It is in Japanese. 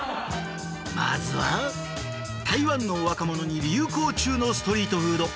まずは台湾の若者に流行中のストリートフード